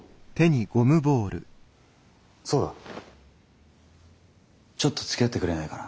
そうだちょっとつきあってくれないかな？